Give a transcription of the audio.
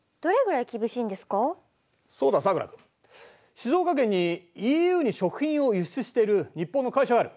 静岡県にＥＵに食品を輸出してる日本の会社がある。